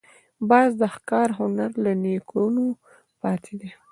باز د ښکار هنر له نیکونو پاتې دی